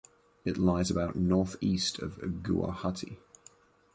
It lies about northeast of Guwahati.